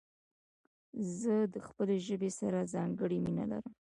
زه د خپلي ژبي سره ځانګړي مينه لرم.